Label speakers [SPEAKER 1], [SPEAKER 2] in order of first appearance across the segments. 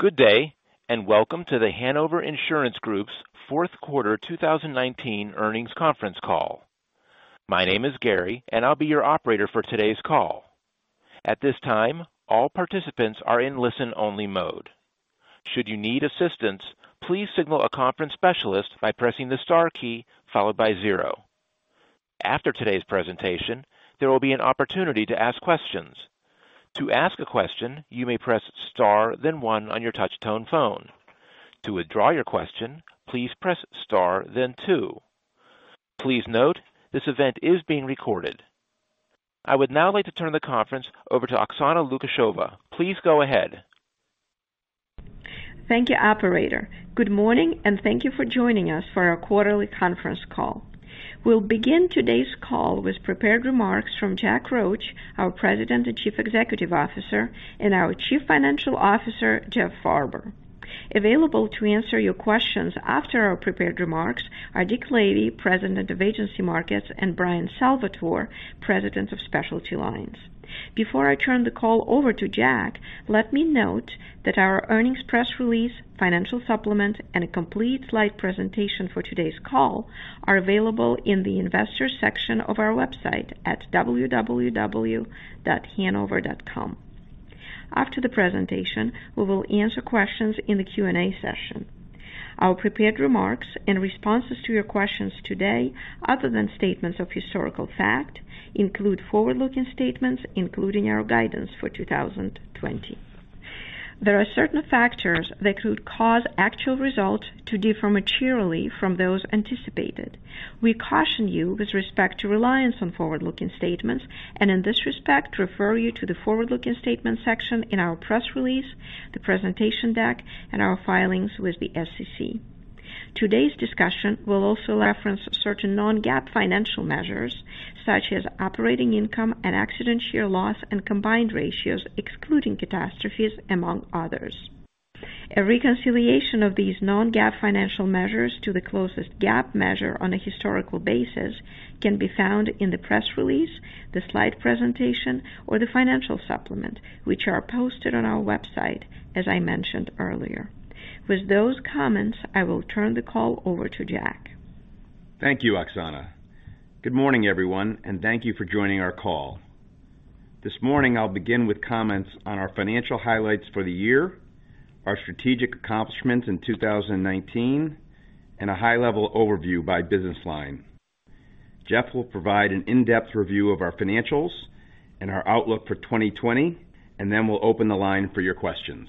[SPEAKER 1] Good day, and welcome to The Hanover Insurance Group's fourth quarter 2019 earnings conference call. My name is Gary, and I'll be your operator for today's call. At this time, all participants are in listen-only mode. Should you need assistance, please signal a conference specialist by pressing the star key followed by zero. After today's presentation, there will be an opportunity to ask questions. To ask a question, you may press star then one on your touch tone phone. To withdraw your question, please press star then two. Please note, this event is being recorded. I would now like to turn the conference over to Oksana Lukasheva. Please go ahead.
[SPEAKER 2] Thank you, operator. Good morning, and thank you for joining us for our quarterly conference call. We'll begin today's call with prepared remarks from Jack Roche, our President and Chief Executive Officer, and our Chief Financial Officer, Jeff Farber. Available to answer your questions after our prepared remarks are Dick Lavey, President of Agency Markets, and Bryan Salvatore, President of Specialty Lines. Before I turn the call over to Jack, let me note that our earnings press release, financial supplement, and a complete slide presentation for today's call are available in the Investors section of our website at www.hanover.com. After the presentation, we will answer questions in the Q&A session. Our prepared remarks and responses to your questions today, other than statements of historical fact, include forward-looking statements, including our guidance for 2020. There are certain factors that could cause actual results to differ materially from those anticipated. We caution you with respect to reliance on forward-looking statements and, in this respect, refer you to the Forward-looking Statements section in our press release, the presentation deck, and our filings with the SEC. Today's discussion will also reference certain non-GAAP financial measures, such as operating income and accident, share loss, and combined ratios, excluding catastrophes, among others. A reconciliation of these non-GAAP financial measures to the closest GAAP measure on a historical basis can be found in the press release, the slide presentation, or the financial supplement, which are posted on our website, as I mentioned earlier. With those comments, I will turn the call over to Jack.
[SPEAKER 3] Thank you, Oksana. Good morning, everyone, and thank you for joining our call. This morning, I'll begin with comments on our financial highlights for the year, our strategic accomplishments in 2019, and a high-level overview by business line. Jeff will provide an in-depth review of our financials and our outlook for 2020, and then we'll open the line for your questions.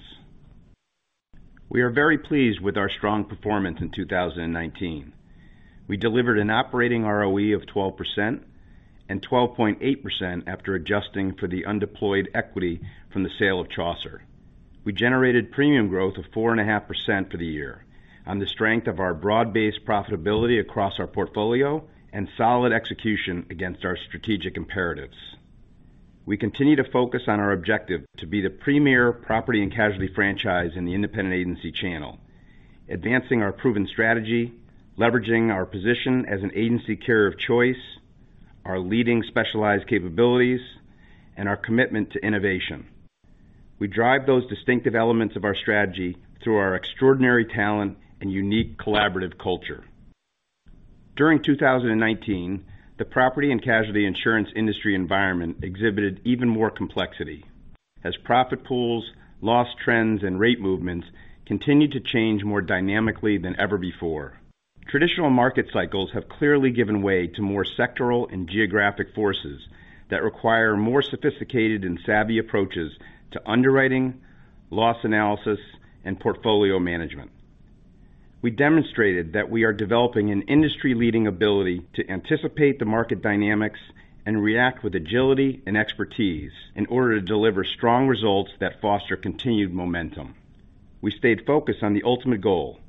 [SPEAKER 3] We are very pleased with our strong performance in 2019. We delivered an operating ROE of 12% and 12.8% after adjusting for the undeployed equity from the sale of Chaucer. We generated premium growth of 4.5% for the year on the strength of our broad-based profitability across our portfolio and solid execution against our strategic imperatives. We continue to focus on our objective to be the premier property and casualty franchise in the independent agency channel, advancing our proven strategy, leveraging our position as an agency carrier of choice, our leading specialized capabilities, and our commitment to innovation. We drive those distinctive elements of our strategy through our extraordinary talent and unique collaborative culture. During 2019, the property and casualty insurance industry environment exhibited even more complexity as profit pools, loss trends, and rate movements continued to change more dynamically than ever before. Traditional market cycles have clearly given way to more sectoral and geographic forces that require more sophisticated and savvy approaches to underwriting, loss analysis, and portfolio management. We demonstrated that we are developing an industry-leading ability to anticipate the market dynamics and react with agility and expertise in order to deliver strong results that foster continued momentum. We stayed focused on the ultimate goal,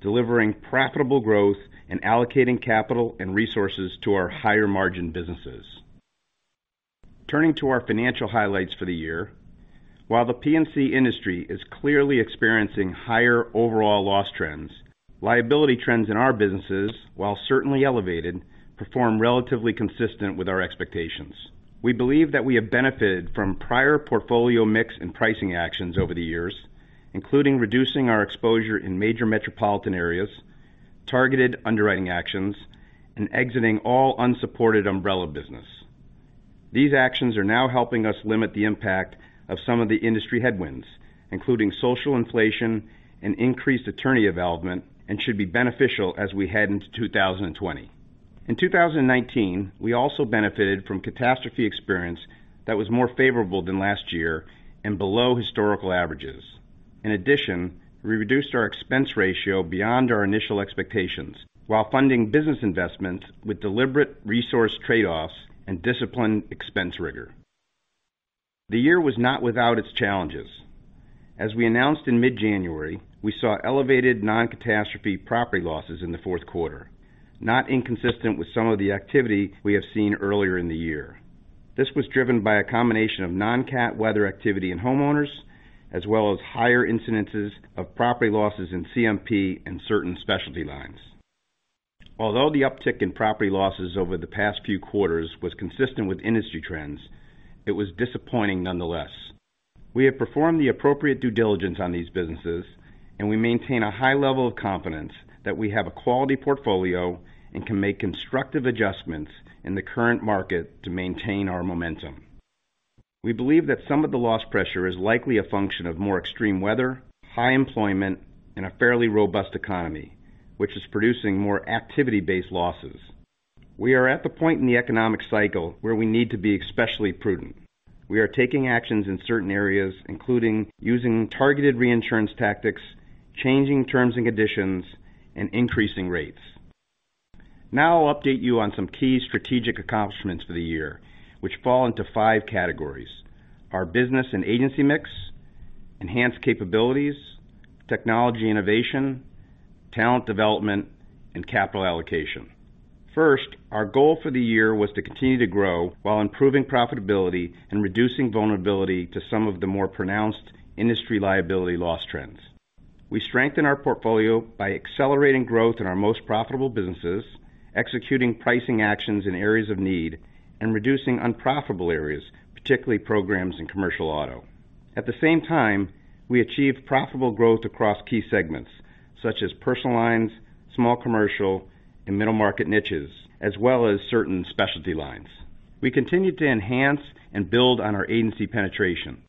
[SPEAKER 3] delivering profitable growth and allocating capital and resources to our higher-margin businesses. Turning to our financial highlights for the year, while the P&C industry is clearly experiencing higher overall loss trends, liability trends in our businesses, while certainly elevated, perform relatively consistent with our expectations. We believe that we have benefited from prior portfolio mix and pricing actions over the years, including reducing our exposure in major metropolitan areas, targeted underwriting actions, and exiting all unsupported umbrella business. These actions are now helping us limit the impact of some of the industry headwinds, including social inflation and increased attorney development, and should be beneficial as we head into 2020. In 2019, we also benefited from catastrophe experience that was more favorable than last year and below historical averages. In addition, we reduced our expense ratio beyond our initial expectations while funding business investments with deliberate resource trade-offs and disciplined expense rigor. The year was not without its challenges. As we announced in mid-January, we saw elevated non-catastrophe property losses in the fourth quarter, not inconsistent with some of the activity we have seen earlier in the year. This was driven by a combination of non-cat weather activity in homeowners, as well as higher incidences of property losses in CMP and certain specialty lines. Although the uptick in property losses over the past few quarters was consistent with industry trends, it was disappointing nonetheless. We have performed the appropriate due diligence on these businesses, and we maintain a high level of confidence that we have a quality portfolio and can make constructive adjustments in the current market to maintain our momentum. We believe that some of the loss pressure is likely a function of more extreme weather, high employment, and a fairly robust economy, which is producing more activity-based losses. We are at the point in the economic cycle where we need to be especially prudent. We are taking actions in certain areas, including using targeted reinsurance tactics, changing terms and conditions, and increasing rates. Now I'll update you on some key strategic accomplishments for the year, which fall into five categories: our business and agency mix, enhanced capabilities, technology innovation, talent development, and capital allocation. First, our goal for the year was to continue to grow while improving profitability and reducing vulnerability to some of the more pronounced industry liability loss trends. We strengthened our portfolio by accelerating growth in our most profitable businesses, executing pricing actions in areas of need, and reducing unprofitable areas, particularly programs in commercial auto. At the same time, we achieved profitable growth across key segments such as personal lines, small commercial, and middle market niches, as well as certain specialty lines. We continued to enhance and build on our agency penetration.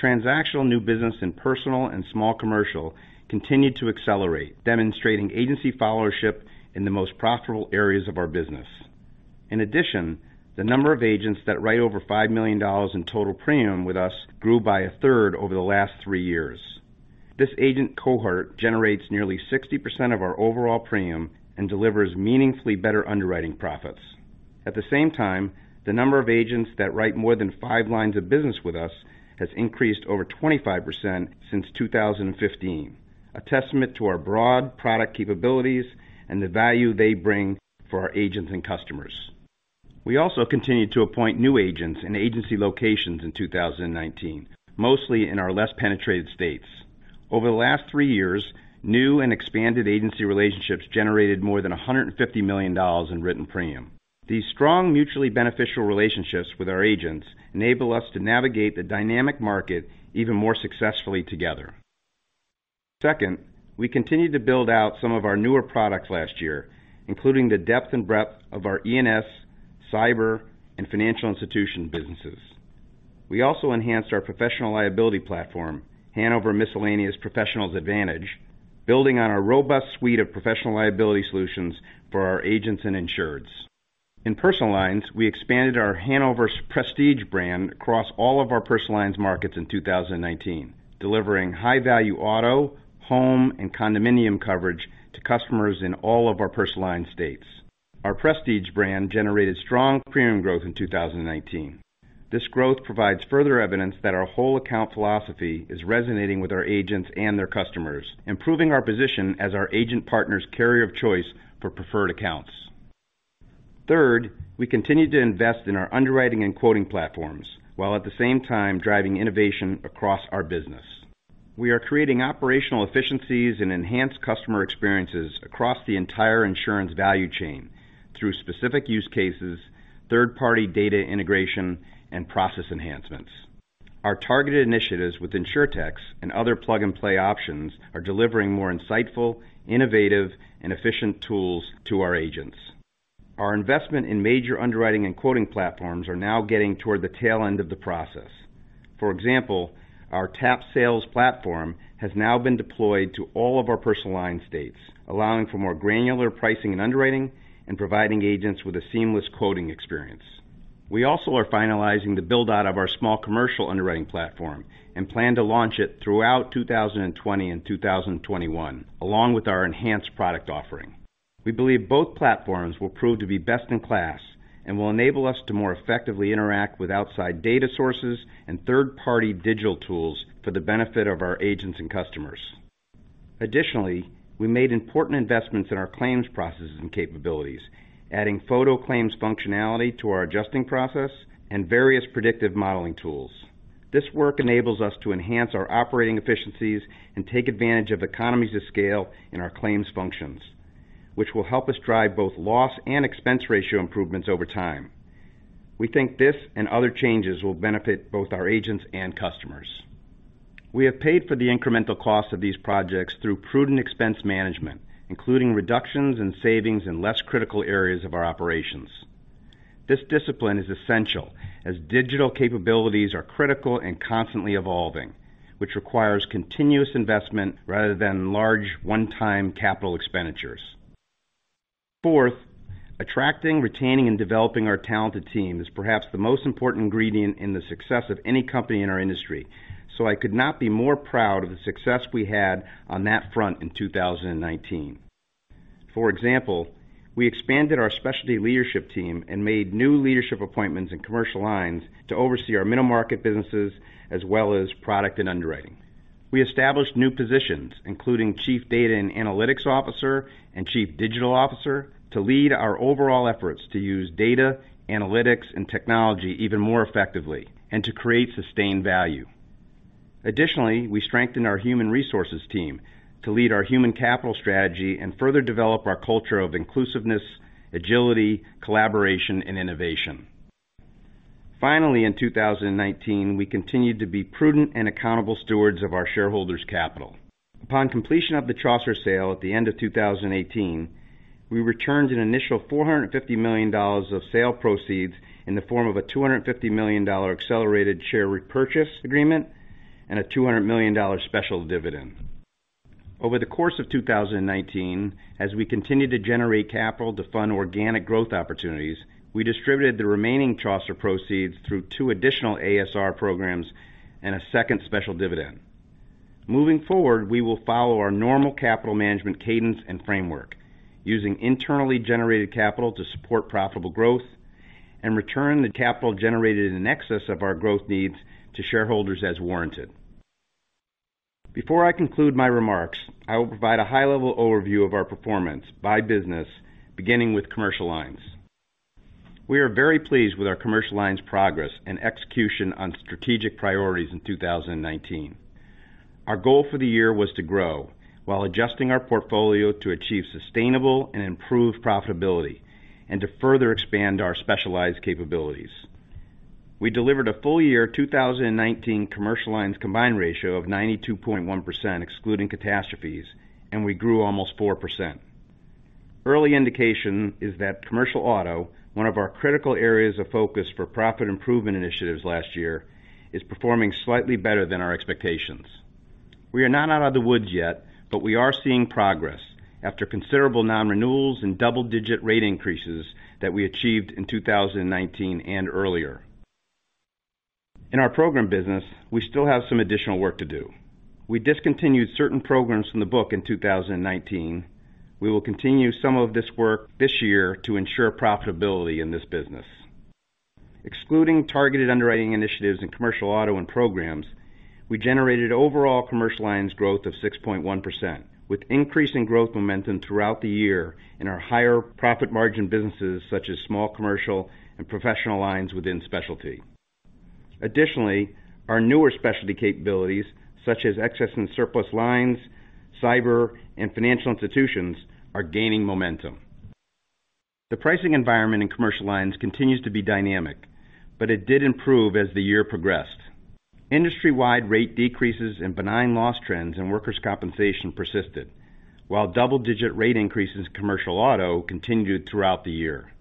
[SPEAKER 3] Transactional new business in personal and small commercial continued to accelerate, demonstrating agency followership in the most profitable areas of our business. In addition, the number of agents that write over $5 million in total premium with us grew by a third over the last three years. This agent cohort generates nearly 60% of our overall premium and delivers meaningfully better underwriting profits. At the same time, the number of agents that write more than 5 lines of business with us has increased over 25% since 2015, a testament to our broad product capabilities and the value they bring for our agents and customers. We also continued to appoint new agents and agency locations in 2019, mostly in our less penetrated states. Over the last three years, new and expanded agency relationships generated more than $150 million in written premium. These strong, mutually beneficial relationships with our agents enable us to navigate the dynamic market even more successfully together. Second, we continued to build out some of our newer products last year, including the depth and breadth of our E&S, cyber, and financial institution businesses. We also enhanced our professional liability platform, Hanover Miscellaneous Professionals Advantage, building on our robust suite of professional liability solutions for our agents and insureds. In personal lines, we expanded our Hanover Prestige brand across all of our personal lines markets in 2019, delivering high-value auto, home, and condominium coverage to customers in all of our personal line states. Our Prestige brand generated strong premium growth in 2019. This growth provides further evidence that our whole account philosophy is resonating with our agents and their customers, improving our position as our agent partner's carrier of choice for preferred accounts. Third, we continued to invest in our underwriting and quoting platforms, while at the same time driving innovation across our business. We are creating operational efficiencies and enhanced customer experiences across the entire insurance value chain through specific use cases, third-party data integration, and process enhancements. Our targeted initiatives with InsurTechs and other plug-and-play options are delivering more insightful, innovative, and efficient tools to our agents. Our investment in major underwriting and quoting platforms are now getting toward the tail end of the process. For example, our TAP Sales platform has now been deployed to all of our personal line states, allowing for more granular pricing and underwriting and providing agents with a seamless quoting experience. We also are finalizing the build-out of our small commercial underwriting platform and plan to launch it throughout 2020 and 2021, along with our enhanced product offering. We believe both platforms will prove to be best in class and will enable us to more effectively interact with outside data sources and third-party digital tools for the benefit of our agents and customers. Additionally, we made important investments in our claims processes and capabilities, adding photo claims functionality to our adjusting process and various predictive modeling tools. This work enables us to enhance our operating efficiencies and take advantage of economies of scale in our claims functions, which will help us drive both loss and expense ratio improvements over time. We think this and other changes will benefit both our agents and customers. We have paid for the incremental cost of these projects through prudent expense management, including reductions and savings in less critical areas of our operations. This discipline is essential as digital capabilities are critical and constantly evolving, which requires continuous investment rather than large one-time capital expenditures. Fourth, attracting, retaining, and developing our talented team is perhaps the most important ingredient in the success of any company in our industry. I could not be more proud of the success we had on that front in 2019. For example, we expanded our specialty leadership team and made new leadership appointments in commercial lines to oversee our middle market businesses as well as product and underwriting. We established new positions, including Chief Data and Analytics Officer and Chief Digital Officer, to lead our overall efforts to use data, analytics, and technology even more effectively and to create sustained value. We strengthened our human resources team to lead our human capital strategy and further develop our culture of inclusiveness, agility, collaboration, and innovation. In 2019, we continued to be prudent and accountable stewards of our shareholders' capital. Upon completion of the Chaucer sale at the end of 2018, we returned an initial $450 million of sale proceeds in the form of a $250 million accelerated share repurchase agreement and a $200 million special dividend. Over the course of 2019, as we continued to generate capital to fund organic growth opportunities, we distributed the remaining Chaucer proceeds through 2 additional ASR programs and a second special dividend. We will follow our normal capital management cadence and framework using internally generated capital to support profitable growth and return the capital generated in excess of our growth needs to shareholders as warranted. Before I conclude my remarks, I will provide a high-level overview of our performance by business, beginning with commercial lines. We are very pleased with our commercial lines progress and execution on strategic priorities in 2019. Our goal for the year was to grow while adjusting our portfolio to achieve sustainable and improved profitability and to further expand our specialized capabilities. We delivered a full year 2019 commercial lines combined ratio of 92.1%, excluding catastrophes, and we grew almost 4%. Early indication is that commercial auto, 1 of our critical areas of focus for profit improvement initiatives last year, is performing slightly better than our expectations. We are not out of the woods yet, but we are seeing progress after considerable non-renewals and double-digit rate increases that we achieved in 2019 and earlier. In our program business, we still have some additional work to do. We discontinued certain programs from the book in 2019. We will continue some of this work this year to ensure profitability in this business. Excluding targeted underwriting initiatives in commercial auto and programs, we generated overall commercial lines growth of 6.1%, with increasing growth momentum throughout the year in our higher profit margin businesses such as small commercial and professional lines within specialty. Our newer specialty capabilities, such as excess and surplus lines, cyber, and financial institutions, are gaining momentum. The pricing environment in commercial lines continues to be dynamic, but it did improve as the year progressed. Industry-wide rate decreases and benign loss trends in workers' compensation persisted, while double-digit rate increases commercial auto continued throughout the year.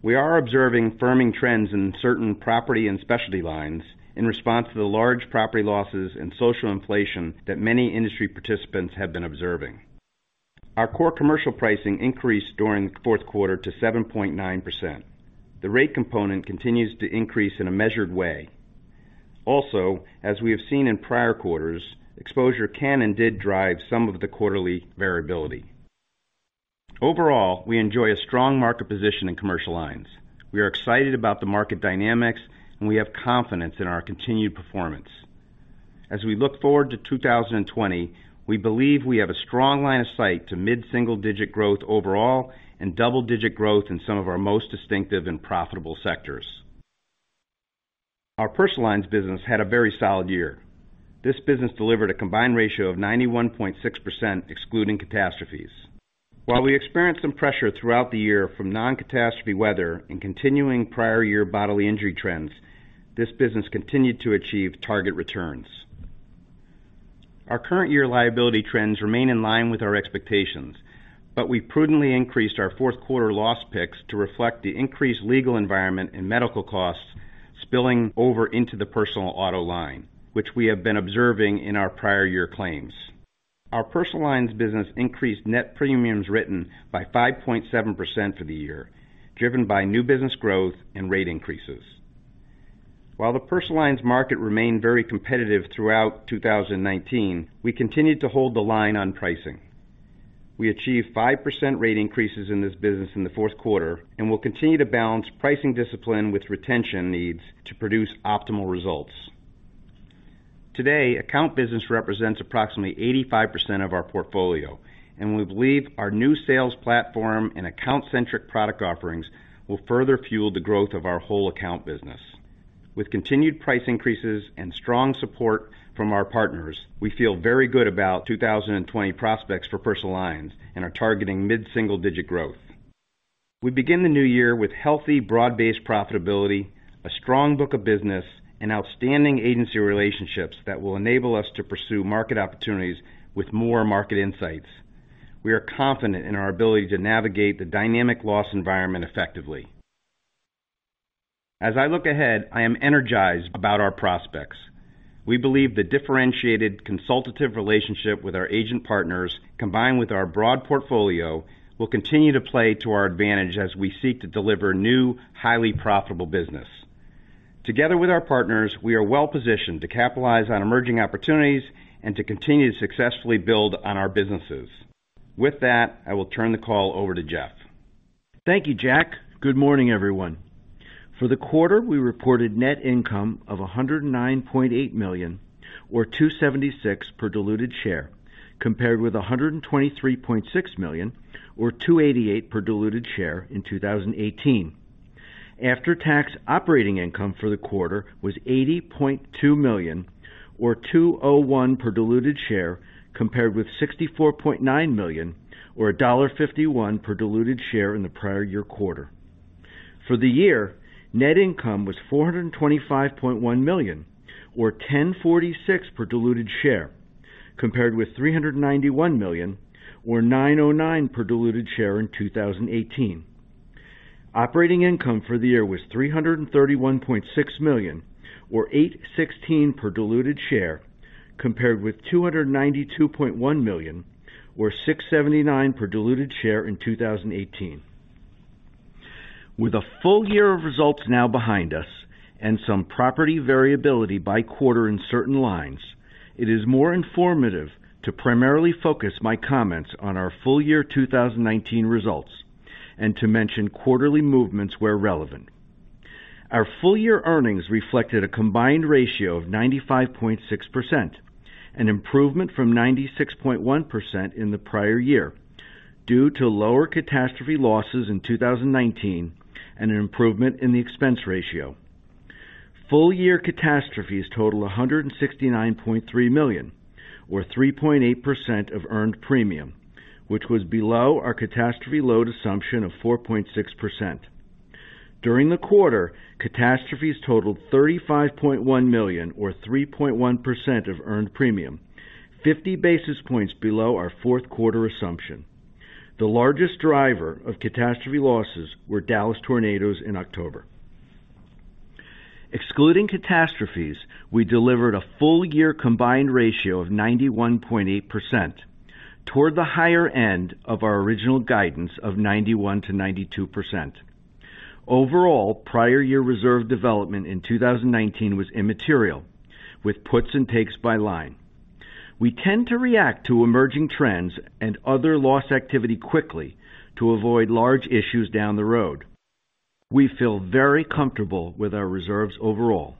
[SPEAKER 3] We are observing firming trends in certain property and specialty lines in response to the large property losses and social inflation that many industry participants have been observing. Our core commercial pricing increased during the fourth quarter to 7.9%. The rate component continues to increase in a measured way. As we have seen in prior quarters, exposure can and did drive some of the quarterly variability. Overall, we enjoy a strong market position in commercial lines. We are excited about the market dynamics, we have confidence in our continued performance. As we look forward to 2020, we believe we have a strong line of sight to mid-single digit growth overall and double-digit growth in some of our most distinctive and profitable sectors. Our personal lines business had a very solid year. This business delivered a combined ratio of 91.6%, excluding catastrophes. While we experienced some pressure throughout the year from non-catastrophe weather and continuing prior year bodily injury trends, this business continued to achieve target returns. Our current year liability trends remain in line with our expectations, we prudently increased our fourth quarter loss picks to reflect the increased legal environment and medical costs spilling over into the personal auto line, which we have been observing in our prior year claims. Our personal lines business increased net premiums written by 5.7% for the year, driven by new business growth and rate increases. While the personal lines market remained very competitive throughout 2019, we continued to hold the line on pricing. We achieved 5% rate increases in this business in the fourth quarter will continue to balance pricing discipline with retention needs to produce optimal results. Today, account business represents approximately 85% of our portfolio, we believe our new sales platform and account-centric product offerings will further fuel the growth of our whole account business. With continued price increases and strong support from our partners, we feel very good about 2020 prospects for personal lines are targeting mid-single digit growth. We begin the new year with healthy, broad-based profitability, a strong book of business, outstanding agency relationships that will enable us to pursue market opportunities with more market insights. We are confident in our ability to navigate the dynamic loss environment effectively. As I look ahead, I am energized about our prospects. We believe the differentiated consultative relationship with our agent partners, combined with our broad portfolio, will continue to play to our advantage as we seek to deliver new, highly profitable business. Together with our partners, we are well positioned to capitalize on emerging opportunities to continue to successfully build on our businesses. With that, I will turn the call over to Jeff.
[SPEAKER 4] Thank you, Jack. Good morning, everyone. For the quarter, we reported net income of $109.8 million or $2.76 per diluted share, compared with $123.6 million or $2.88 per diluted share in 2018. After-tax operating income for the quarter was $80.2 million, or $2.01 per diluted share, compared with $64.9 million or $1.51 per diluted share in the prior year quarter. For the year, net income was $425.1 million or $10.46 per diluted share, compared with $391 million or $9.09 per diluted share in 2018. Operating income for the year was $331.6 million, or $8.16 per diluted share, compared with $292.1 million or $6.79 per diluted share in 2018. With a full year of results now behind us some property variability by quarter in certain lines, it is more informative to primarily focus my comments on our full year 2019 results and to mention quarterly movements where relevant. Our full-year earnings reflected a combined ratio of 95.6%, an improvement from 96.1% in the prior year, due to lower catastrophe losses in 2019 and an improvement in the expense ratio. Full-year catastrophes total $169.3 million, or 3.8% of earned premium, which was below our catastrophe load assumption of 4.6%. During the quarter, catastrophes totaled $35.1 million or 3.1% of earned premium, 50 basis points below our fourth quarter assumption. The largest driver of catastrophe losses were Dallas tornadoes in October. Excluding catastrophes, we delivered a full-year combined ratio of 91.8%, toward the higher end of our original guidance of 91%-92%. Overall, prior year reserve development in 2019 was immaterial with puts and takes by line. We tend to react to emerging trends and other loss activity quickly to avoid large issues down the road. We feel very comfortable with our reserves overall.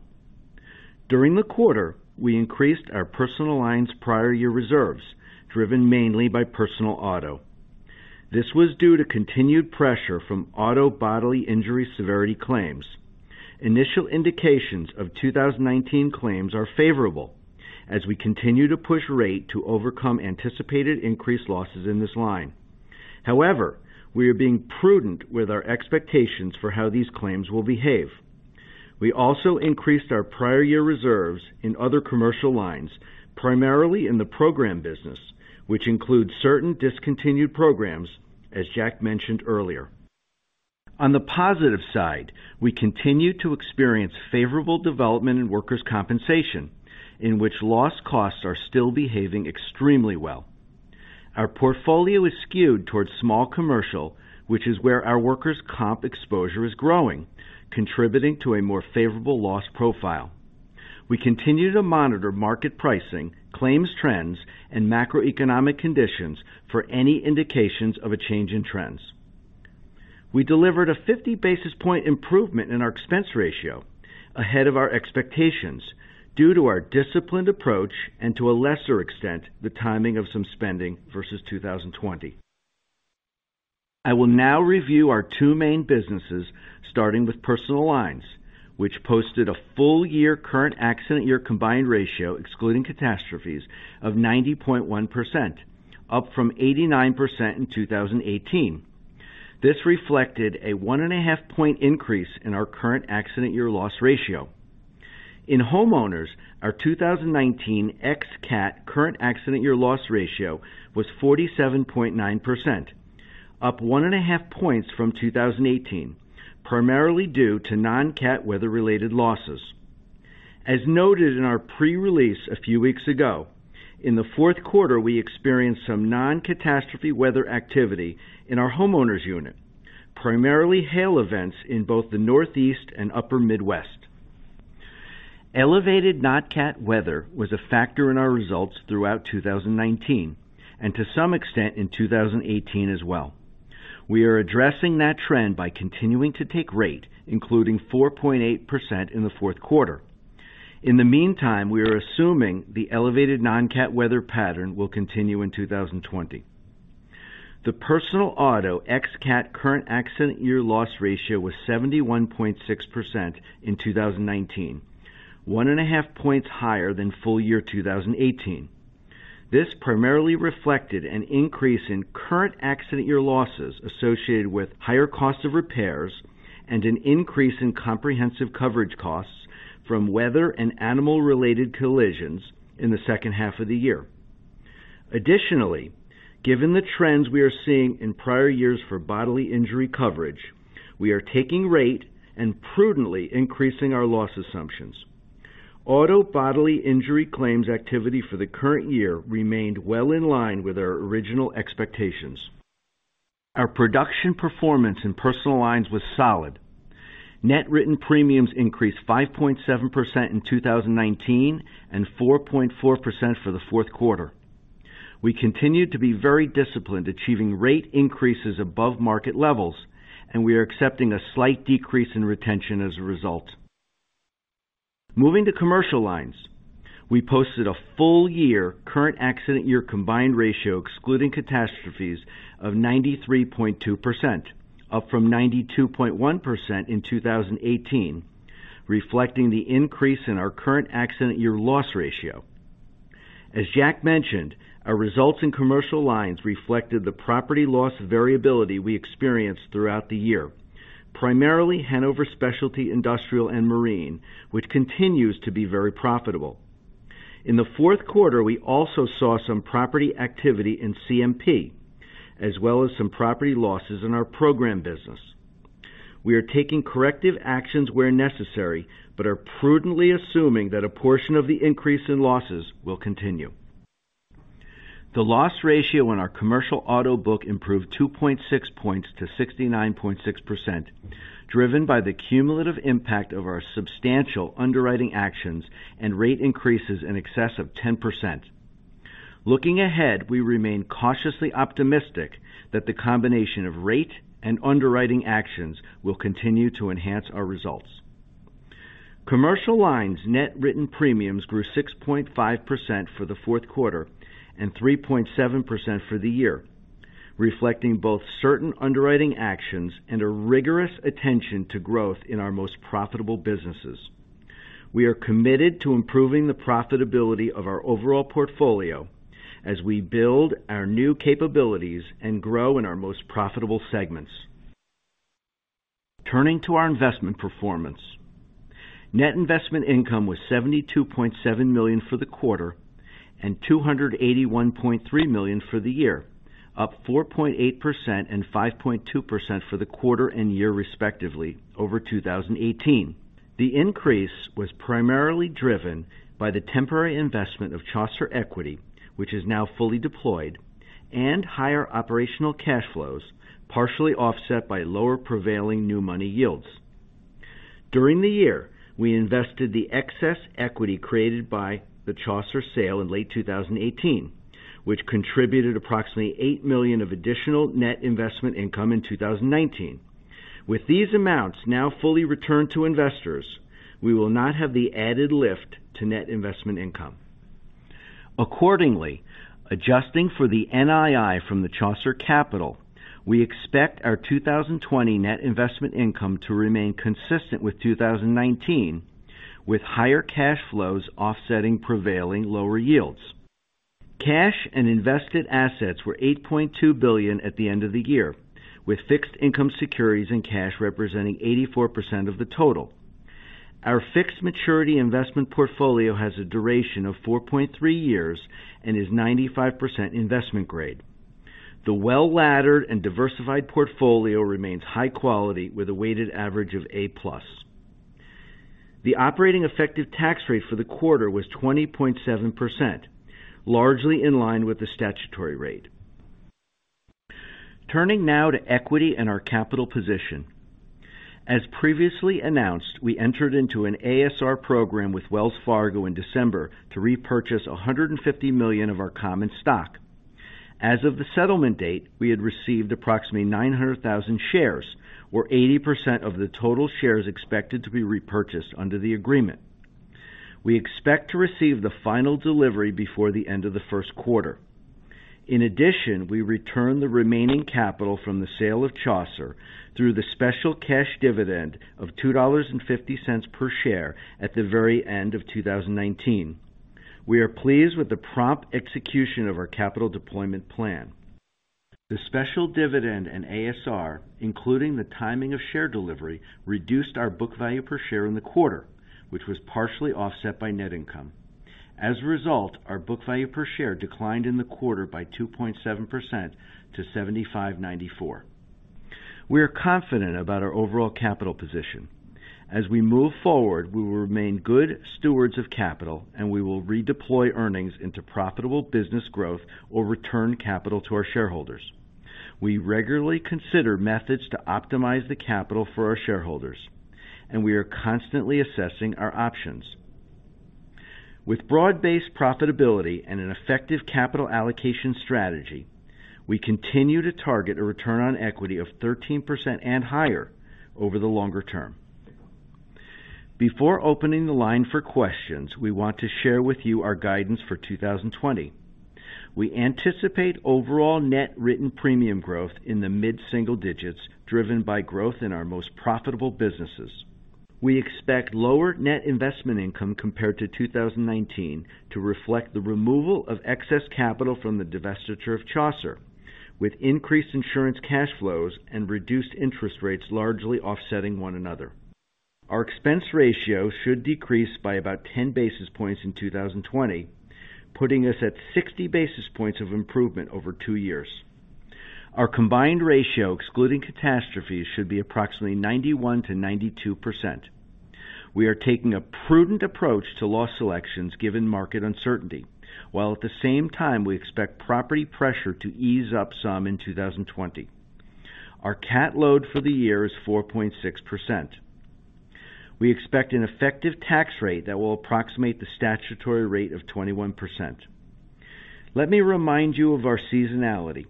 [SPEAKER 4] During the quarter, we increased our personal lines prior year reserves driven mainly by personal auto. This was due to continued pressure from auto bodily injury severity claims. Initial indications of 2019 claims are favorable as we continue to push rate to overcome anticipated increased losses in this line. However, we are being prudent with our expectations for how these claims will behave. We also increased our prior year reserves in other commercial lines, primarily in the program business, which includes certain discontinued programs, as Jack mentioned earlier. On the positive side, we continue to experience favorable development in workers' compensation, in which loss costs are still behaving extremely well. Our portfolio is skewed towards small commercial, which is where our workers' comp exposure is growing, contributing to a more favorable loss profile. We continue to monitor market pricing, claims trends, and macroeconomic conditions for any indications of a change in trends. We delivered a 50-basis point improvement in our expense ratio ahead of our expectations due to our disciplined approach and to a lesser extent, the timing of some spending versus 2020. I will now review our two main businesses, starting with personal lines, which posted a full-year current accident year combined ratio excluding catastrophes of 90.1%, up from 89% in 2018. This reflected a one and a half point increase in our current accident year loss ratio. In homeowners, our 2019 ex-cat current accident year loss ratio was 47.9%, up one and a half points from 2018, primarily due to non-cat weather-related losses. As noted in our pre-release a few weeks ago, in the fourth quarter, we experienced some non-catastrophe weather activity in our homeowners unit, primarily hail events in both the Northeast and upper Midwest. Elevated non-cat weather was a factor in our results throughout 2019 and to some extent in 2018 as well. We are addressing that trend by continuing to take rate, including 4.8% in the fourth quarter. In the meantime, we are assuming the elevated non-cat weather pattern will continue in 2020. The personal auto ex-cat current accident year loss ratio was 71.6% in 2019, one and a half points higher than full year 2018. This primarily reflected an increase in current accident year losses associated with higher cost of repairs and an increase in comprehensive coverage costs from weather and animal-related collisions in the second half of the year. Additionally, given the trends we are seeing in prior years for bodily injury coverage, we are taking rate and prudently increasing our loss assumptions. Auto bodily injury claims activity for the current year remained well in line with our original expectations. Our production performance in personal lines was solid. Net written premiums increased 5.7% in 2019 and 4.4% for the fourth quarter. We continued to be very disciplined, achieving rate increases above market levels, and we are accepting a slight decrease in retention as a result. Moving to Commercial Lines. We posted a full year current accident year combined ratio excluding catastrophes of 93.2%, up from 92.1% in 2018, reflecting the increase in our current accident year loss ratio. As Jack mentioned, our results in Commercial Lines reflected the property loss variability we experienced throughout the year, primarily Hanover Specialty Industrial and Marine, which continues to be very profitable. In the fourth quarter, we also saw some property activity in CMP, as well as some property losses in our program business. We are taking corrective actions where necessary but are prudently assuming that a portion of the increase in losses will continue. The loss ratio in our commercial auto book improved 2.6 points to 69.6%, driven by the cumulative impact of our substantial underwriting actions and rate increases in excess of 10%. Looking ahead, we remain cautiously optimistic that the combination of rate and underwriting actions will continue to enhance our results. Commercial Lines net written premiums grew 6.5% for the fourth quarter and 3.7% for the year, reflecting both certain underwriting actions and a rigorous attention to growth in our most profitable businesses. We are committed to improving the profitability of our overall portfolio as we build our new capabilities and grow in our most profitable segments. Turning to our investment performance. Net investment income was $72.7 million for the quarter and $281.3 million for the year, up 4.8% and 5.2% for the quarter and year respectively over 2018. The increase was primarily driven by the temporary investment of Chaucer equity, which is now fully deployed, and higher operational cash flows partially offset by lower prevailing new money yields. During the year, we invested the excess equity created by the Chaucer sale in late 2018, which contributed approximately $8 million of additional net investment income in 2019. With these amounts now fully returned to investors, we will not have the added lift to net investment income. Accordingly, adjusting for the NII from the Chaucer capital, we expect our 2020 net investment income to remain consistent with 2019, with higher cash flows offsetting prevailing lower yields. Cash and invested assets were $8.2 billion at the end of the year, with fixed-income securities and cash representing 84% of the total. Our fixed maturity investment portfolio has a duration of 4.3 years and is 95% investment grade. The well-laddered and diversified portfolio remains high quality with a weighted average of A-plus. The operating effective tax rate for the quarter was 20.7%, largely in line with the statutory rate. Turning now to equity and our capital position. As previously announced, we entered into an ASR program with Wells Fargo in December to repurchase $150 million of our common stock. As of the settlement date, we had received approximately 900,000 shares, or 80% of the total shares expected to be repurchased under the agreement. We expect to receive the final delivery before the end of the first quarter. In addition, we returned the remaining capital from the sale of Chaucer through the special cash dividend of $2.50 per share at the very end of 2019. We are pleased with the prompt execution of our capital deployment plan. The special dividend and ASR, including the timing of share delivery, reduced our book value per share in the quarter, which was partially offset by net income. As a result, our book value per share declined in the quarter by 2.7% to $75.94. We are confident about our overall capital position. As we move forward, we will remain good stewards of capital, and we will redeploy earnings into profitable business growth or return capital to our shareholders. We regularly consider methods to optimize the capital for our shareholders, and we are constantly assessing our options. With broad-based profitability and an effective capital allocation strategy, we continue to target a return on equity of 13% and higher over the longer term. Before opening the line for questions, we want to share with you our guidance for 2020. We anticipate overall net written premium growth in the mid-single digits, driven by growth in our most profitable businesses. We expect lower net investment income compared to 2019 to reflect the removal of excess capital from the divestiture of Chaucer, with increased insurance cash flows and reduced interest rates largely offsetting one another. Our expense ratio should decrease by about 10 basis points in 2020, putting us at 60 basis points of improvement over two years. Our combined ratio excluding catastrophes should be approximately 91%-92%. We are taking a prudent approach to loss selections given market uncertainty, while at the same time, we expect property pressure to ease up some in 2020. Our cat load for the year is 4.6%. We expect an effective tax rate that will approximate the statutory rate of 21%. Let me remind you of our seasonality.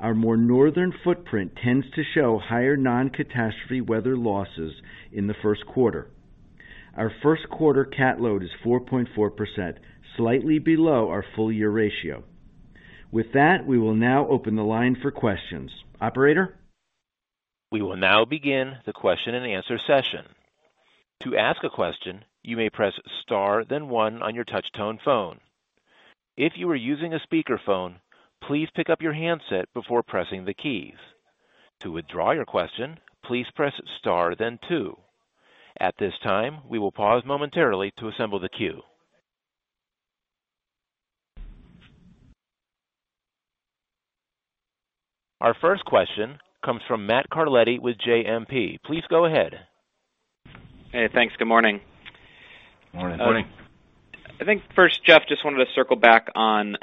[SPEAKER 4] Our more northern footprint tends to show higher non-catastrophe weather losses in the first quarter. Our first quarter cat load is 4.4%, slightly below our full-year ratio. With that, we will now open the line for questions. Operator?
[SPEAKER 1] We will now begin the question and answer session. To ask a question, you may press star then one on your touch-tone phone. If you are using a speakerphone, please pick up your handset before pressing the keys. To withdraw your question, please press star then two. At this time, we will pause momentarily to assemble the queue. Our first question comes from Matt Carletti with JMP. Please go ahead.
[SPEAKER 5] Hey, thanks. Good morning.
[SPEAKER 6] Morning. Morning.
[SPEAKER 5] I think first, Jeff, just wanted to circle back on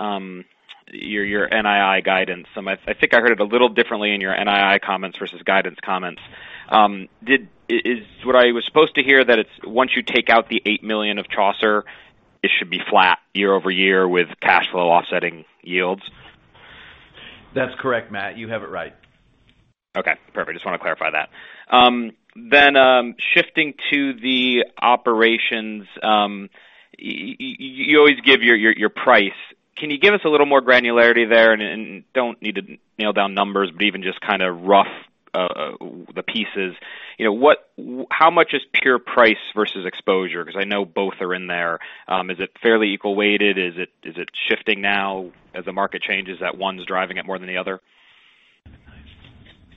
[SPEAKER 5] your NII guidance. I think I heard it a little differently in your NII comments versus guidance comments. Is what I was supposed to hear that once you take out the $8 million of Chaucer, it should be flat year-over-year with cash flow offsetting yields?
[SPEAKER 4] That's correct, Matt. You have it right.
[SPEAKER 5] Okay, perfect. Just want to clarify that. Shifting to the operations. You always give your price. Can you give us a little more granularity there? Don't need to nail down numbers, but even just kind of rough the pieces. How much is pure price versus exposure? Because I know both are in there. Is it fairly equal weighted? Is it shifting now as the market changes, that one's driving it more than the other?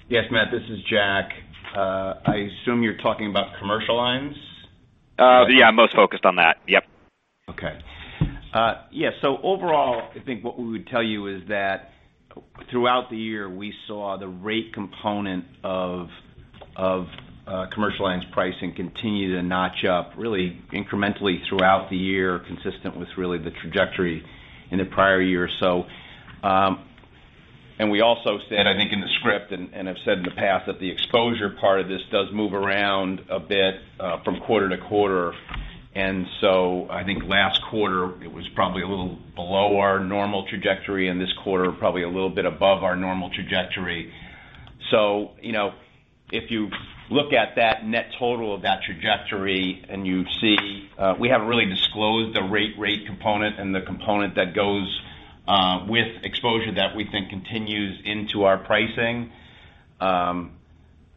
[SPEAKER 3] Yes, Matt, this is Jack. I assume you're talking about commercial lines.
[SPEAKER 5] Yeah, I'm most focused on that. Yep.
[SPEAKER 3] Okay. Yeah. Overall, I think what we would tell you is that throughout the year, we saw the rate component of commercial lines pricing continue to notch up really incrementally throughout the year, consistent with really the trajectory in the prior year or so. We also said, I think in the script and have said in the past, that the exposure part of this does move around a bit from quarter to quarter. I think last quarter it was probably a little below our normal trajectory, and this quarter probably a little bit above our normal trajectory. If you look at that net total of that trajectory, and you see we haven't really disclosed the rate component and the component that goes with exposure that we think continues into our pricing.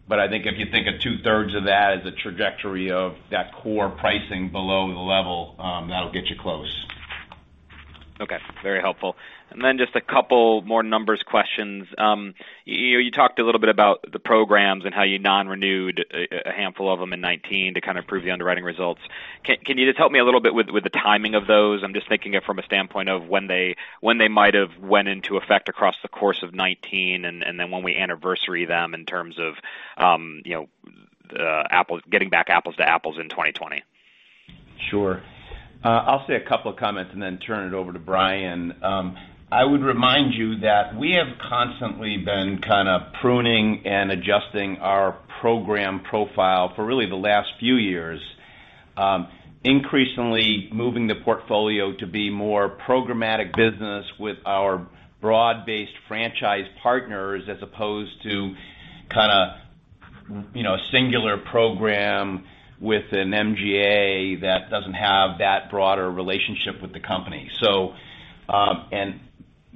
[SPEAKER 3] I think if you think of two-thirds of that as a trajectory of that core pricing below the level, that'll get you close.
[SPEAKER 5] Okay. Very helpful. Then just a couple more numbers questions. You talked a little bit about the programs and how you non-renewed a handful of them in 2019 to kind of prove the underwriting results. Can you just help me a little bit with the timing of those? I'm just thinking it from a standpoint of when they might have went into effect across the course of 2019 and then when we anniversary them in terms of getting back apples to apples in 2020.
[SPEAKER 3] Sure. I'll say a couple of comments then turn it over to Bryan. I would remind you that we have constantly been kind of pruning and adjusting our program profile for really the last few years. Increasingly moving the portfolio to be more programmatic business with our broad-based franchise partners, as opposed to kind of singular program with an MGA that doesn't have that broader relationship with the company.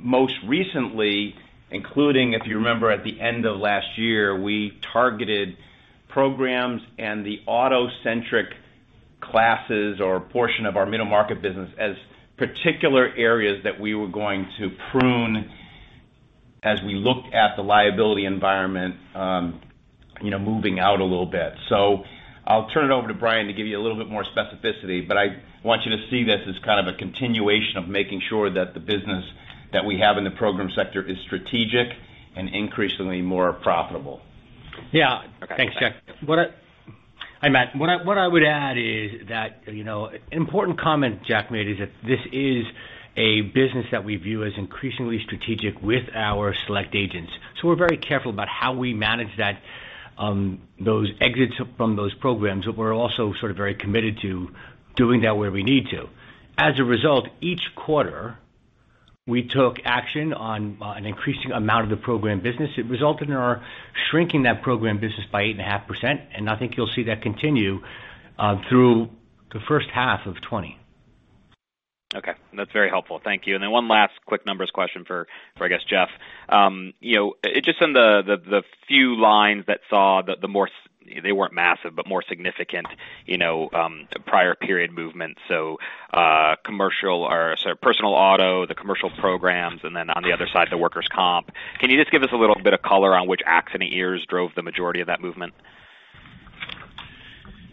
[SPEAKER 3] Most recently, including, if you remember, at the end of last year, we targeted programs and the auto-centric classes or portion of our middle market business as particular areas that we were going to prune as we looked at the liability environment moving out a little bit. I'll turn it over to Bryan to give you a little bit more specificity, I want you to see this as kind of a continuation of making sure that the business that we have in the program sector is strategic and increasingly more profitable.
[SPEAKER 6] Yeah.
[SPEAKER 5] Okay.
[SPEAKER 6] Thanks, Jack. Hi, Matt. What I would add is that an important comment Jack made is that this is a business that we view as increasingly strategic with our select agents. We're very careful about how we manage those exits from those programs, but we're also sort of very committed to doing that where we need to. As a result, each quarter we took action on an increasing amount of the program business. It resulted in our shrinking that program business by 8.5%, and I think you'll see that continue through the first half of 2020.
[SPEAKER 5] Okay. That's very helpful. Thank you. One last quick numbers question for, I guess, Jeff. Just in the few lines that saw the more, they weren't massive, but more significant prior period movement, so personal auto, the commercial programs, and then on the other side, the workers' comp. Can you just give us a little bit of color on which accident years drove the majority of that movement?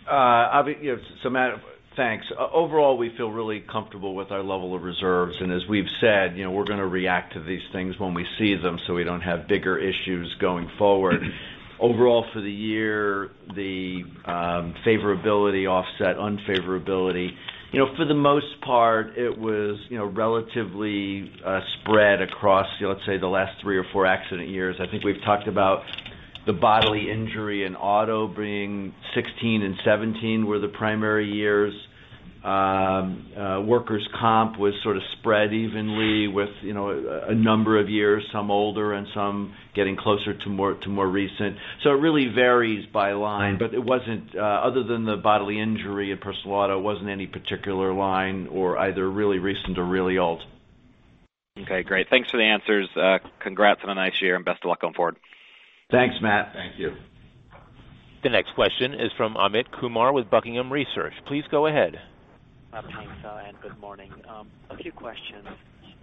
[SPEAKER 4] Matt, thanks. Overall, we feel really comfortable with our level of reserves, and as we've said, we're going to react to these things when we see them so we don't have bigger issues going forward. Overall for the year, the favorability offset unfavorability. For the most part, it was relatively spread across, let's say, the last three or four accident years. I think we've talked about The bodily injury in auto being 2016 and 2017 were the primary years. Workers' comp was sort of spread evenly with a number of years, some older and some getting closer to more recent. It really varies by line, but other than the bodily injury in personal auto, it wasn't any particular line, or either really recent or really old.
[SPEAKER 5] Okay, great. Thanks for the answers. Congrats on a nice year. Best of luck going forward.
[SPEAKER 3] Thanks, Matt.
[SPEAKER 4] Thank you.
[SPEAKER 1] The next question is from Amit Kumar with Buckingham Research. Please go ahead.
[SPEAKER 7] Amit, thanks, and good morning. A few questions.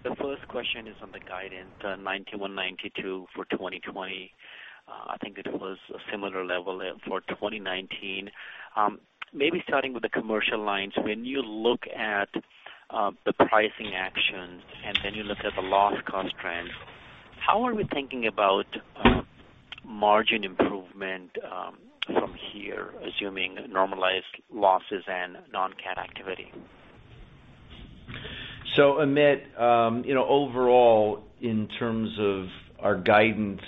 [SPEAKER 7] The first question is on the guidance, 91, 92 for 2020. I think it was a similar level for 2019. Maybe starting with the commercial lines, when you look at the pricing action, and then you look at the loss cost trends, how are we thinking about margin improvement from here, assuming normalized losses and non-cat activity?
[SPEAKER 3] Amit, overall, in terms of our guidance,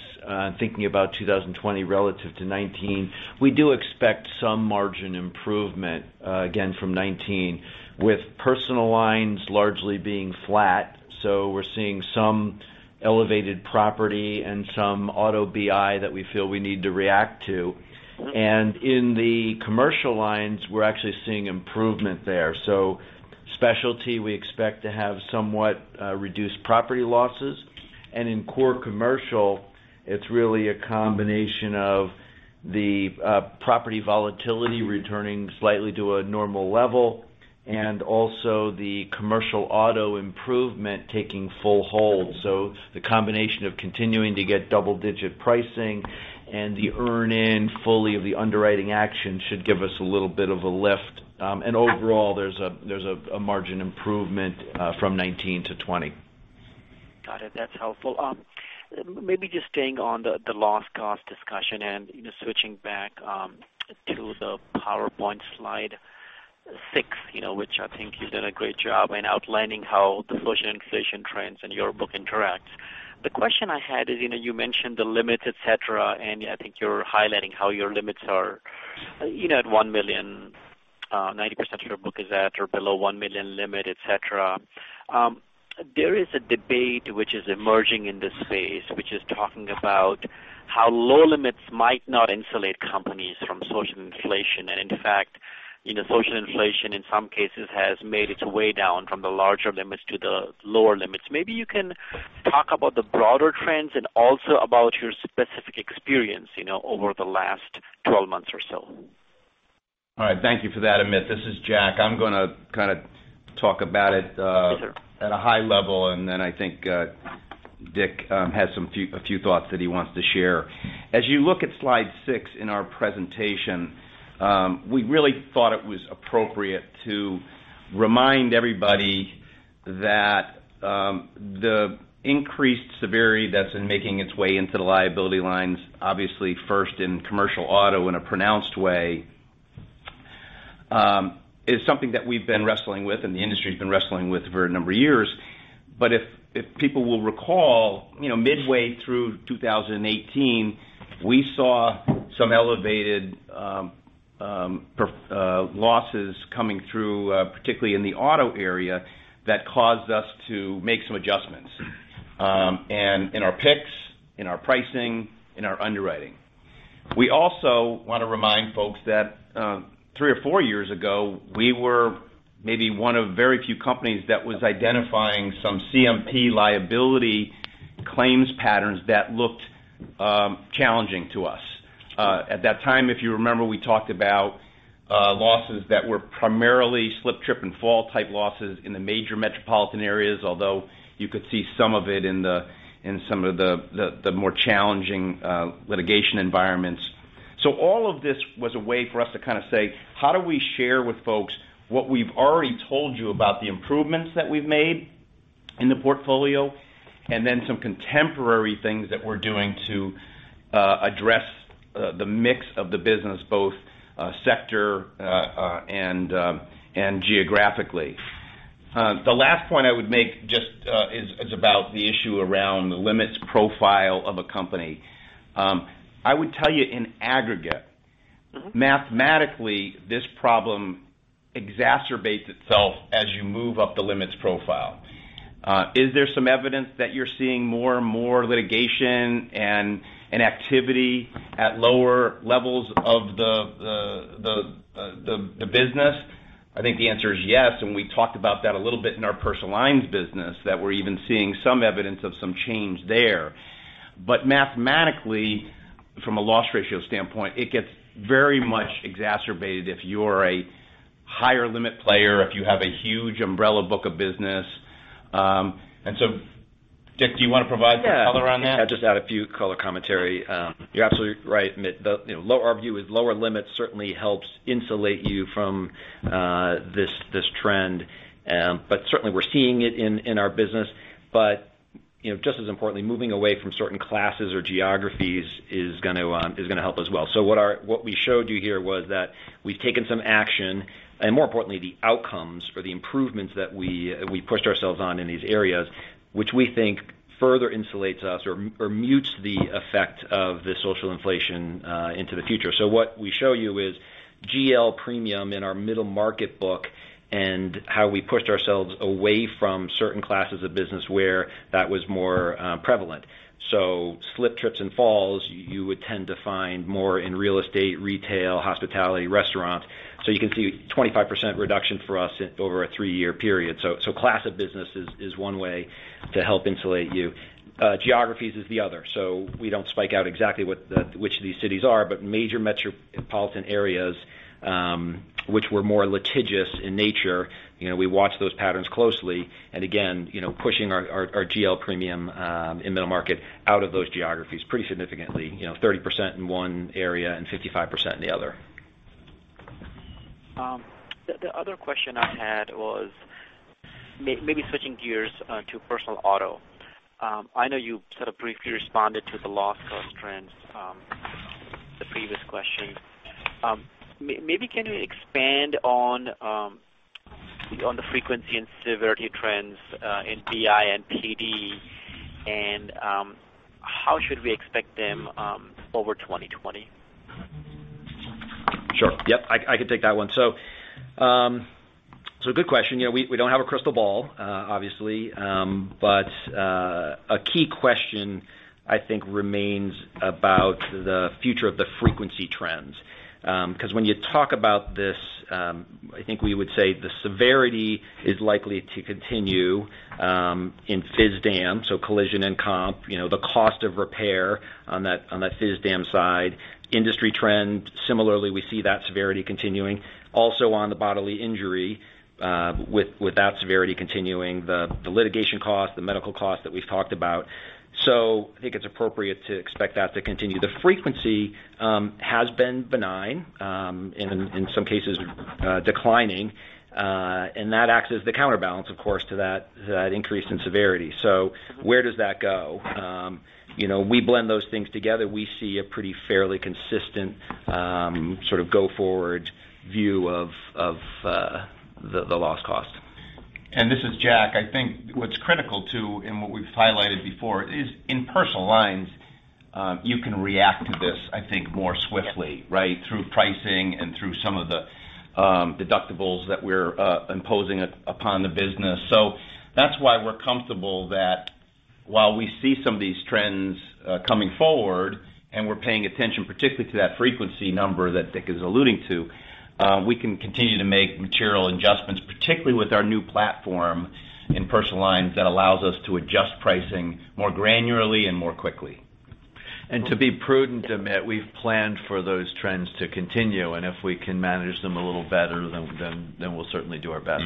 [SPEAKER 3] thinking about 2020 relative to 2019, we do expect some margin improvement again from 2019, with personal lines largely being flat. We're seeing some elevated property and some auto BI that we feel we need to react to. In the commercial lines, we're actually seeing improvement there. Specialty, we expect to have somewhat reduced property losses. In core commercial, it's really a combination of the property volatility returning slightly to a normal level, and also the commercial auto improvement taking full hold. The combination of continuing to get double-digit pricing and the earn in fully of the underwriting action should give us a little bit of a lift. Overall, there's a margin improvement from 2019 to 2020.
[SPEAKER 7] Got it. That's helpful. Maybe just staying on the loss cost discussion and switching back to the PowerPoint slide six, which I think you did a great job in outlining how the social inflation trends and your book interacts. The question I had is, you mentioned the limits, et cetera, and I think you're highlighting how your limits are at $1 million. 90% of your book is at or below $1 million limit, et cetera. There is a debate which is emerging in this space, which is talking about how low limits might not insulate companies from social inflation. In fact, social inflation in some cases has made its way down from the larger limits to the lower limits. Maybe you can talk about the broader trends and also about your specific experience over the last 12 months or so.
[SPEAKER 3] All right. Thank you for that, Amit. This is Jack. I'm going to kind of talk about it. Sure At a high level, I think Dick has a few thoughts that he wants to share. As you look at slide six in our presentation, we really thought it was appropriate to remind everybody that the increased severity that's been making its way into the liability lines, obviously first in commercial auto in a pronounced way, is something that we've been wrestling with and the industry's been wrestling with for a number of years. If people will recall, midway through 2018, we saw some elevated losses coming through, particularly in the auto area, that caused us to make some adjustments. In our picks, in our pricing, in our underwriting. We also want to remind folks that three or four years ago, we were maybe one of very few companies that was identifying some CMP liability claims patterns that looked challenging to us. At that time, if you remember, we talked about losses that were primarily slip, trip, and fall type losses in the major metropolitan areas, although you could see some of it in some of the more challenging litigation environments. All of this was a way for us to kind of say, how do we share with folks what we've already told you about the improvements that we've made in the portfolio, some contemporary things that we're doing to address the mix of the business, both sector and geographically. The last point I would make just is about the issue around the limits profile of a company. I would tell you in aggregate, mathematically, this problem exacerbates itself as you move up the limits profile. Is there some evidence that you're seeing more and more litigation and activity at lower levels of the business?
[SPEAKER 4] I think the answer is yes, we talked about that a little bit in our personal lines business, that we're even seeing some evidence of some change there. Mathematically, from a loss ratio standpoint, it gets very much exacerbated if you're a higher limit player, if you have a huge umbrella book of business. Dick, do you want to provide some color on that?
[SPEAKER 8] Yeah. I'll just add a few color commentary. You're absolutely right, Amit. Our view is lower limits certainly helps insulate you from this trend. Certainly, we're seeing it in our business. Just as importantly, moving away from certain classes or geographies is going to help as well. What we showed you here was that we've taken some action, more importantly, the outcomes or the improvements that we pushed ourselves on in these areas, which we think further insulates us or mutes the effect of the social inflation into the future. What we show you is GL premium in our middle market book and how we pushed ourselves away from certain classes of business where that was more prevalent. Slip, trips, and falls, you would tend to find more in real estate, retail, hospitality, restaurant. You can see 25% reduction for us over a three-year period. Class of business is one way to help insulate you. Geographies is the other. We don't spike out exactly which of these cities are, but major metropolitan areas, which were more litigious in nature, we watched those patterns closely. Again, pushing our GL premium in middle market out of those geographies pretty significantly, 30% in one area and 55% in the other.
[SPEAKER 7] The other question I had was maybe switching gears to personal auto. I know you sort of briefly responded to the loss cost trends, the previous question. Maybe can you expand on the frequency and severity trends in BI and PD, and how should we expect them over 2020?
[SPEAKER 8] Sure. Yep. I can take that one. Good question. We don't have a crystal ball, obviously. A key question I think remains about the future of the frequency trends. When you talk about this, I think we would say the severity is likely to continue in phys dam, so collision and comp, the cost of repair on that phys dam side. Industry trend, similarly, we see that severity continuing also on the bodily injury with that severity continuing the litigation cost, the medical cost that we've talked about. I think it's appropriate to expect that to continue. The frequency has been benign, in some cases declining, that acts as the counterbalance, of course, to that increase in severity. Where does that go? We blend those things together, we see a pretty fairly consistent sort of go-forward view of the loss cost.
[SPEAKER 3] This is Jack. I think what's critical, too, and what we've highlighted before is in personal lines, you can react to this, I think, more swiftly, through pricing and through some of the deductibles that we're imposing upon the business. That's why we're comfortable that while we see some of these trends coming forward, and we're paying attention particularly to that frequency number that Dick is alluding to, we can continue to make material adjustments, particularly with our new platform in personal lines that allows us to adjust pricing more granularly and more quickly.
[SPEAKER 8] To be prudent, Amit, we've planned for those trends to continue, if we can manage them a little better, we'll certainly do our best.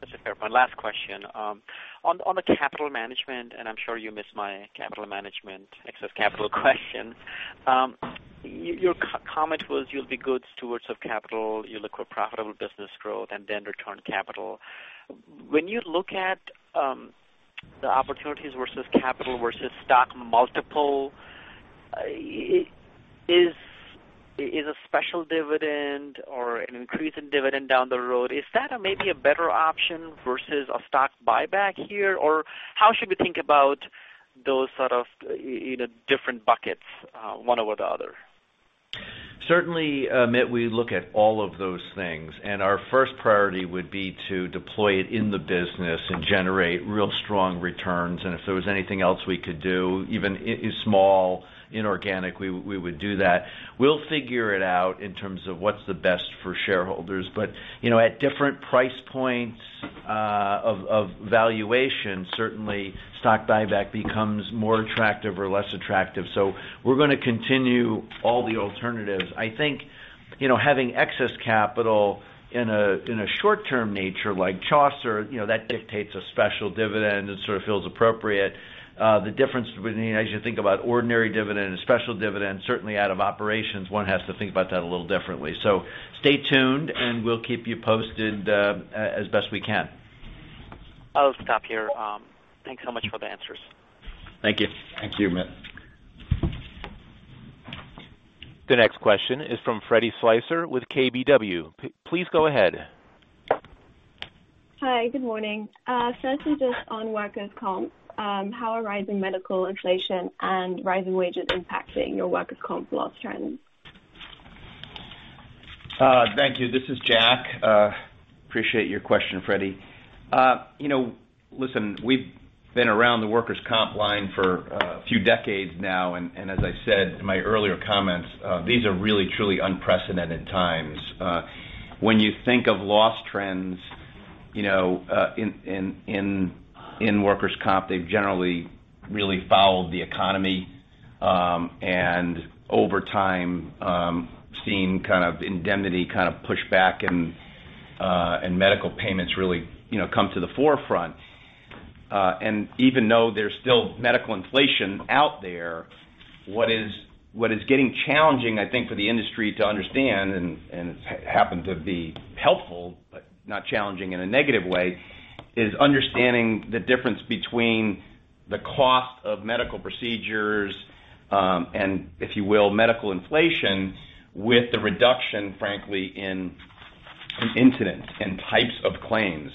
[SPEAKER 7] That's a fair point. Last question. On the capital management, I'm sure you missed my capital management excess capital question. Your comment was you'll be good stewards of capital. You look for profitable business growth, then return capital. When you look at the opportunities versus capital versus stock multiple, is a special dividend or an increase in dividend down the road, is that maybe a better option versus a stock buyback here? How should we think about those sort of different buckets one over the other?
[SPEAKER 4] Certainly, Amit, we look at all of those things, our first priority would be to deploy it in the business and generate real strong returns. If there was anything else we could do, even small inorganic, we would do that. We'll figure it out in terms of what's the best for shareholders. At different price points of valuation, certainly stock buyback becomes more attractive or less attractive. We're going to continue all the alternatives. I think having excess capital in a short-term nature like Chaucer, that dictates a special dividend, it sort of feels appropriate. The difference as you think about ordinary dividend and special dividend, certainly out of operations, one has to think about that a little differently. Stay tuned, we'll keep you posted as best we can.
[SPEAKER 7] I'll stop here. Thanks so much for the answers.
[SPEAKER 3] Thank you. Thank you, Amit.
[SPEAKER 1] The next question is from Meyer Shields with KBW. Please go ahead.
[SPEAKER 9] Hi, good morning. Firstly, just on workers' comp, how are rising medical inflation and rising wages impacting your workers' comp loss trends?
[SPEAKER 3] Thank you. This is Jack. Appreciate your question, Freddie. Listen, we've been around the workers' comp line for a few decades now. As I said in my earlier comments, these are really, truly unprecedented times. When you think of loss trends in workers' comp, they've generally really followed the economy, and over time, seen kind of indemnity kind of push back and medical payments really come to the forefront. Even though there's still medical inflation out there, what is getting challenging, I think, for the industry to understand, and it's happened to be helpful, but not challenging in a negative way, is understanding the difference between the cost of medical procedures, and if you will, medical inflation with the reduction, frankly, in incidents, in types of claims.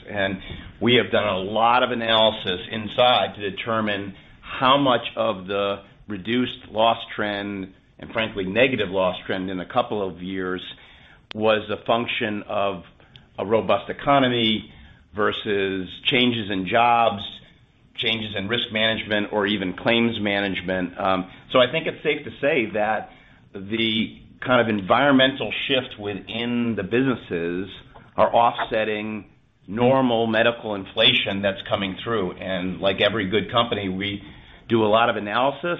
[SPEAKER 3] We have done a lot of analysis inside to determine how much of the reduced loss trend, and frankly, negative loss trend in a couple of years, was a function of a robust economy versus changes in jobs, changes in risk management or even claims management. I think it's safe to say that the kind of environmental shift within the businesses are offsetting normal medical inflation that's coming through. Like every good company, we do a lot of analysis.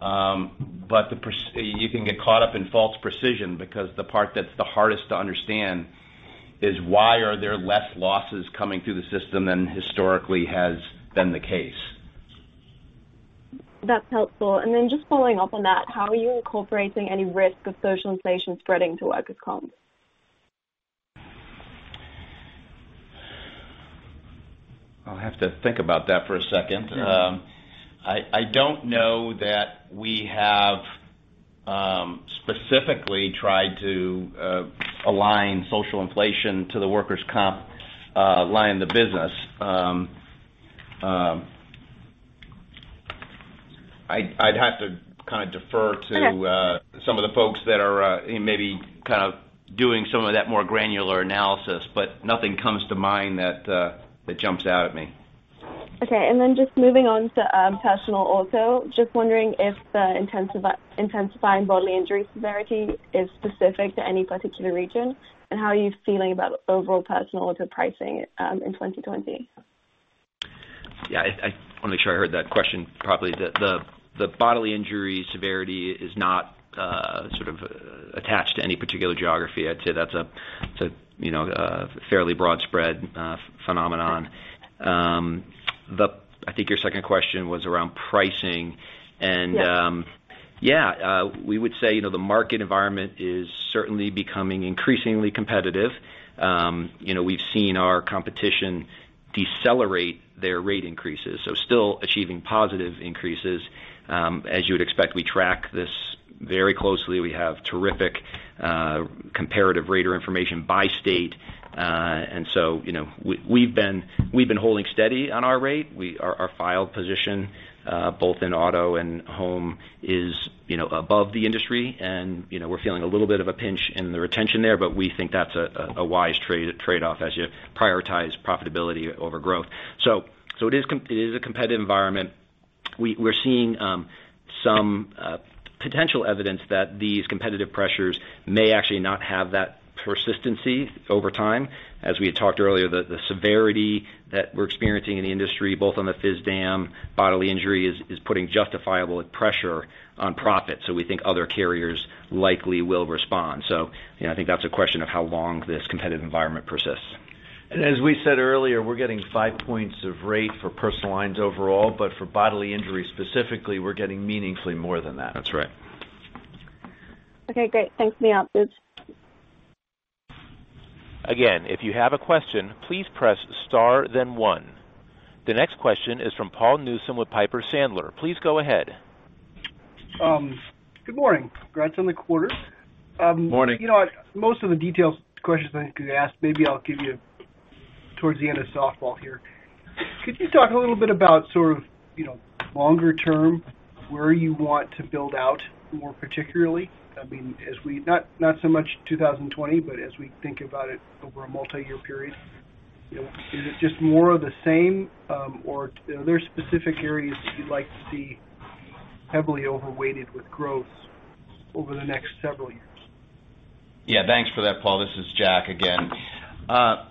[SPEAKER 3] You can get caught up in false precision because the part that's the hardest to understand is why are there less losses coming through the system than historically has been the case.
[SPEAKER 9] That's helpful. Just following up on that, how are you incorporating any risk of social inflation spreading to workers' comp?
[SPEAKER 3] I'll have to think about that for a second. I don't know that we have specifically tried to align social inflation to the workers' comp line in the business. I'd have to kind of defer to-
[SPEAKER 9] Okay
[SPEAKER 3] some of the folks that are maybe doing some of that more granular analysis, but nothing comes to mind that jumps out at me.
[SPEAKER 9] Okay, then just moving on to personal auto. Just wondering if the intensifying bodily injury severity is specific to any particular region, and how are you feeling about overall personal auto pricing, in 2020?
[SPEAKER 8] Yeah, I want to make sure I heard that question properly. The bodily injury severity is not sort of attached to any particular geography. I'd say that's a fairly broad spread phenomenon. I think your second question was around pricing.
[SPEAKER 9] Yes
[SPEAKER 8] Yeah. We would say the market environment is certainly becoming increasingly competitive. We've seen our competition decelerate their rate increases, so still achieving positive increases. As you would expect, we track this very closely. We have terrific comparative rater information by state. We've been holding steady on our rate. Our filed position both in auto and home is above the industry. We're feeling a little bit of a pinch in the retention there, but we think that's a wise trade-off as you prioritize profitability over growth. It is a competitive environment. We're seeing some potential evidence that these competitive pressures may actually not have that persistency over time. As we had talked earlier, the severity that we're experiencing in the industry, both on the phys dam, bodily injury, is putting justifiable pressure on profit. We think other carriers likely will respond. I think that's a question of how long this competitive environment persists.
[SPEAKER 4] As we said earlier, we're getting five points of rate for personal lines overall, but for bodily injury specifically, we're getting meaningfully more than that.
[SPEAKER 8] That's right.
[SPEAKER 9] Okay, great. Thanks for the answers.
[SPEAKER 1] Again, if you have a question, please press star then one. The next question is from Paul Newsome with Piper Sandler. Please go ahead.
[SPEAKER 10] Good morning. Congrats on the quarter.
[SPEAKER 3] Morning.
[SPEAKER 10] Most of the detailed questions I was going to ask, maybe I'll give you towards the end of softball here. Could you talk a little bit about sort of longer term, where you want to build out more particularly? Not so much 2020, but as we think about it over a multi-year period. Is it just more of the same, or are there specific areas that you'd like to see heavily overweighted with growth over the next several years?
[SPEAKER 3] Yeah, thanks for that, Paul. This is Jack again.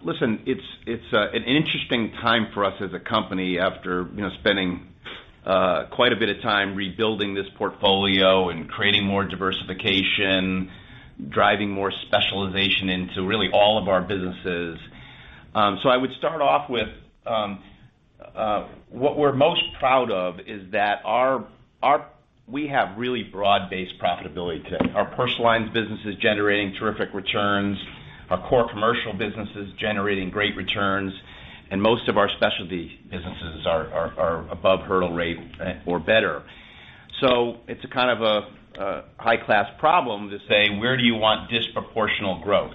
[SPEAKER 3] Listen, it's an interesting time for us as a company after spending quite a bit of time rebuilding this portfolio and creating more diversification, driving more specialization into really all of our businesses. I would start off with, what we're most proud of is that we have really broad-based profitability today. Our personal lines business is generating terrific returns. Our core commercial business is generating great returns, and most of our specialty businesses are above hurdle rate or better. It's a kind of a high-class problem to say, where do you want disproportional growth?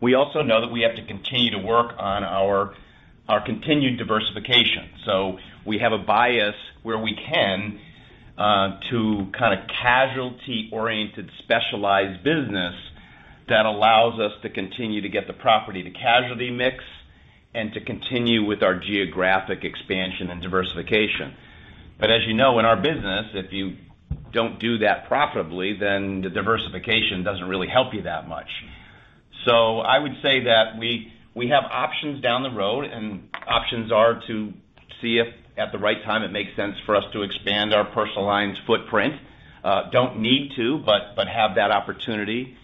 [SPEAKER 3] We also know that we have to continue to work on our continued diversification. We have a bias where we can, to kind of casualty-oriented specialized business that allows us to continue to get the property to casualty mix and to continue with our geographic expansion and diversification. As you know, in our business, if you don't do that profitably, then the diversification doesn't really help you that much. I would say that we have options down the road, and options are to see if at the right time it makes sense for us to expand our personal lines footprint. Don't need to, but have that opportunity.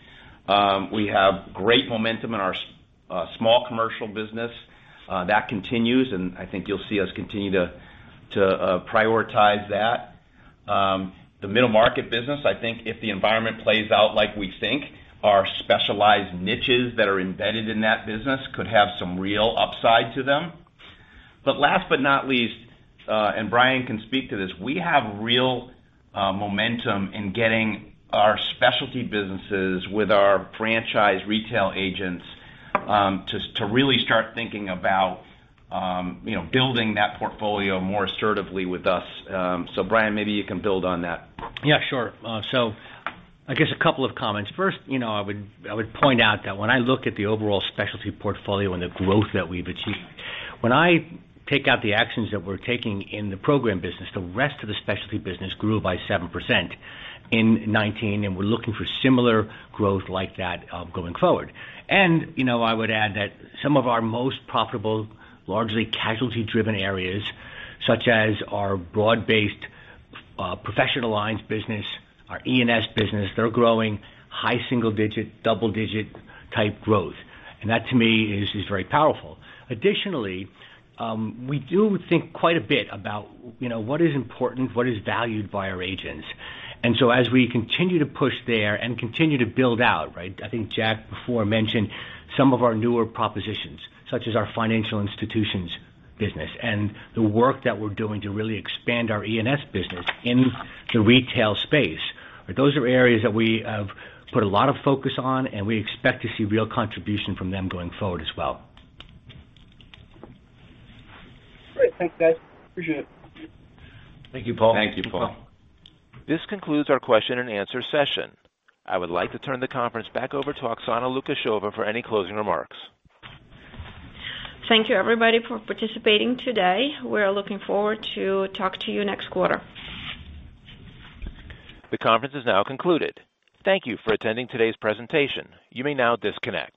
[SPEAKER 3] We have great momentum in our small commercial business. That continues, and I think you'll see us continue to prioritize that. The middle market business, I think if the environment plays out like we think, our specialized niches that are embedded in that business could have some real upside to them. Last but not least, and Bryan can speak to this, we have real momentum in getting our specialty businesses with our franchise retail agents to really start thinking about building that portfolio more assertively with us. Bryan, maybe you can build on that.
[SPEAKER 6] Yeah, sure. I guess a couple of comments. First, I would point out that when I look at the overall specialty portfolio and the growth that we've achieved, when I take out the actions that we're taking in the program business, the rest of the specialty business grew by 7% in 2019, and we're looking for similar growth like that going forward. I would add that some of our most profitable, largely casualty-driven areas, such as our broad-based professional lines business, our E&S business, they're growing high single-digit, double-digit type growth. That to me is very powerful. Additionally, we do think quite a bit about what is important, what is valued by our agents. As we continue to push there and continue to build out, I think Jack before mentioned some of our newer propositions, such as our financial institutions business and the work that we're doing to really expand our E&S business in the retail space. Those are areas that we have put a lot of focus on, and we expect to see real contribution from them going forward as well.
[SPEAKER 10] Great. Thanks, guys. Appreciate it.
[SPEAKER 6] Thank you, Paul.
[SPEAKER 3] Thank you, Paul.
[SPEAKER 1] This concludes our question and answer session. I would like to turn the conference back over to Oksana Lukasheva for any closing remarks.
[SPEAKER 2] Thank you everybody for participating today. We are looking forward to talk to you next quarter.
[SPEAKER 1] The conference is now concluded. Thank you for attending today's presentation. You may now disconnect.